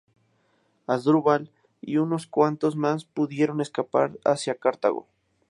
Asdrúbal y unos cuantos más pudieron escapar hacia Cartago.